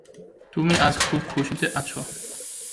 তুমি আজ খুব খুশীতে আছো?